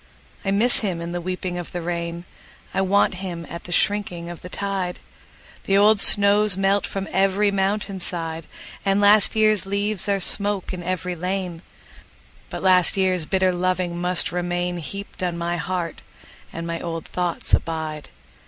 I miss him in the weeping of the rain;I want him at the shrinking of the tide; The old snows melt from every mountain side, And last year's leaves are smoke in every lane; But last year's bitter loving must remainHeaped on my heart, and my old thoughts abide!